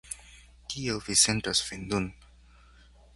Kiel vi sentas vin nun?